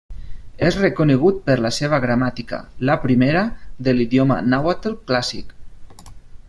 És reconegut per la seva gramàtica, la primera, de l'idioma nàhuatl clàssic.